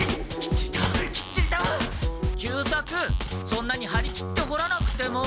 そんなにはり切って掘らなくても。